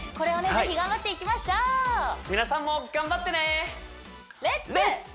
ぜひ頑張っていきましょう皆さんも頑張ってね！